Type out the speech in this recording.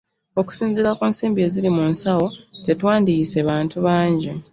Okusinziira ku nsimbi eziri mu nsawo tetwandiyise bantu bangi.